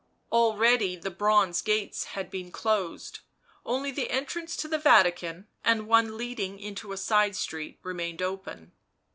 Already the bronze gates had been closed; only the entrance to the Vatican and one leading into a side street remained open.